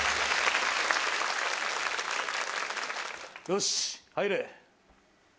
よし入れ。